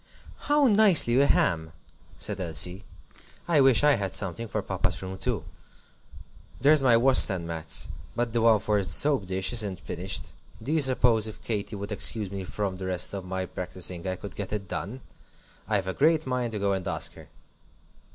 "How nicely you hem!" said Elsie. "I wish I had something for Papa's room too. There's my washstand mats but the one for the soap dish isn't finished. Do you suppose, if Katy would excuse me from the rest of my practising, I could get it done? I've a great mind to go and ask her."